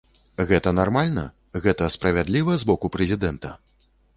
Гэта нармальна, гэта справядліва з боку прэзідэнта?